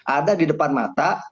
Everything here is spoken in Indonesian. ada di depan mata